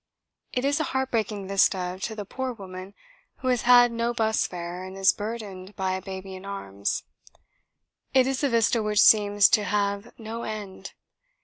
It is a heartbreaking vista to the poor woman who has had no bus fare and is burdened by a baby in arms. It is a vista which seems to have no end.